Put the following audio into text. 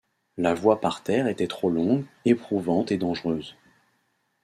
La voie par terre était trop longue, éprouvante et dangereuse.